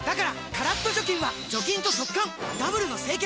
カラッと除菌は除菌と速乾ダブルの清潔！